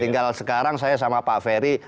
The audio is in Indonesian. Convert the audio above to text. tinggal sekarang saya sama pak ferry lempar lemparan aja